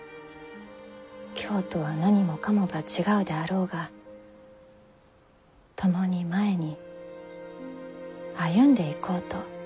「京とは何もかもが違うであろうが共に前に歩んでいこう」と。